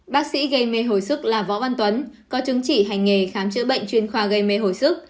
bác sĩ gây mê hồi sức là võ văn tuấn có chứng chỉ hành nghề khám chữa bệnh chuyên khoa gây mê hồi sức